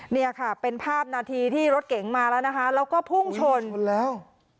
เนี่ยค่ะเป็นภาพนาทีที่รถเก๋งมาแล้วนะคะแล้วก็พุ่งชนแล้ว